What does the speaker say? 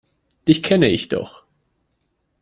Dich kenne ich doch!